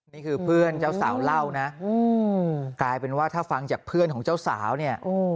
นี่คือเพื่อนเจ้าสาวเล่านะกลายเป็นว่าถ้าฟังจากเพื่อนของเจ้าสาวเนี่ย